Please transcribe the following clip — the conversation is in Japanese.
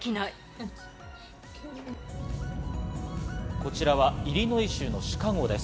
こちらはイリノイ州のシカゴです。